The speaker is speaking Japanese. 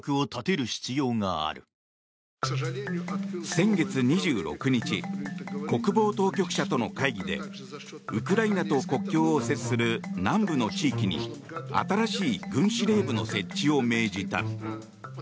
先月２６日国防当局者との会議でウクライナと国境を接する南部の地域に新しい軍司令部の設置を命じた。